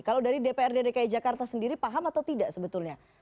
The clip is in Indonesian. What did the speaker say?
kalau dari dprd dki jakarta sendiri paham atau tidak sebetulnya